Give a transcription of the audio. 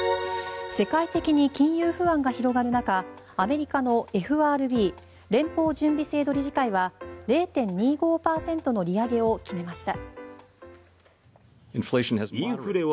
世界的に金融不安が広がる中アメリカのＦＲＢ・連邦準備制度理事会は０．２５％の利上げを決めました。